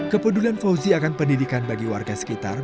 kepedulan fawzi akan pendidikan bagi warga sekitar